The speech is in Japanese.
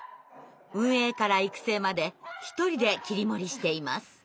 運営から育成まで一人で切り盛りしています。